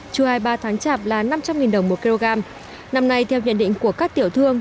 trưa hai mươi ba tháng chạp là năm trăm linh đồng một kg năm nay theo nhận định của các tiểu thương